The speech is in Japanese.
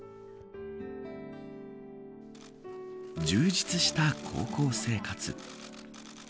充実した高校生活。